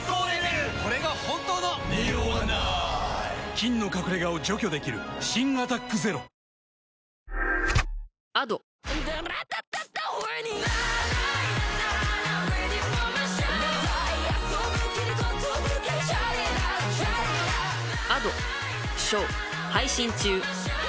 菌の隠れ家を除去できる新「アタック ＺＥＲＯ」ゆるみ対策の難しさ